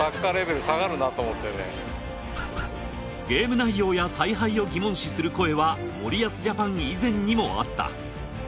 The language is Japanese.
ゲーム内容や采配を疑問視する声は森保ジャパン以前にもあった。